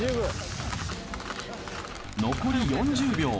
残り４０秒。